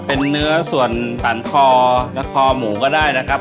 เป็นเนื้อส่วนสันคอและคอหมูก็ได้นะครับ